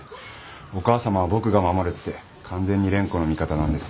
「お母様は僕が守る」って完全に蓮子の味方なんです。